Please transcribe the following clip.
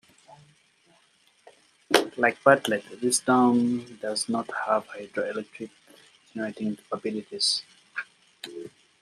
Like Bartlett, this dam does not have hydroelectric generating capabilities.